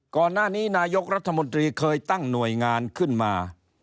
ก่อนหน้านี้นายกรัฐมนตรีเคยตั้งหน่วยงานขึ้นมา